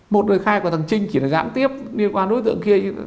một lời khai của thằng trinh chỉ là giãn tiếp liên quan đối tượng kia